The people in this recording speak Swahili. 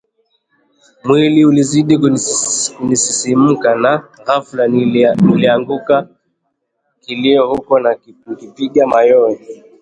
Mwili ulizidi kunisisimka na ghafla niliangua kilio huku nikipiga mayowe